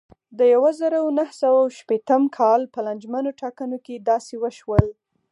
د یوه زرو نهه سوه اوه شپېتم کال په لانجمنو ټاکنو کې داسې وشول.